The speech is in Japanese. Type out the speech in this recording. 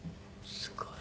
すごい。